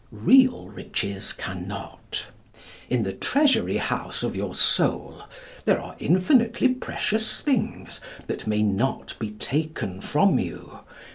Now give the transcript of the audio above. Real riches cannot. In the treasury house of your soul, there are infinitely precious things, that may not be taken from you.